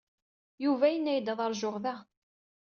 Yuba yenna-iyi-d ad ṛjuɣ da.